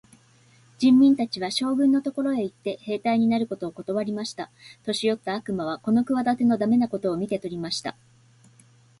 人民たちは、将軍のところへ行って、兵隊になることをことわりました。年よった悪魔はこの企ての駄目なことを見て取りました。